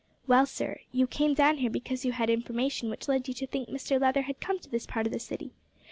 Well, sir, you came down here because you had information which led you to think Mr Leather had come to this part of the city.